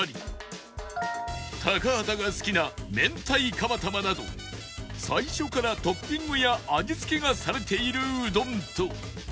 高畑が好きな明太釜玉など最初からトッピングや味付けがされているうどんと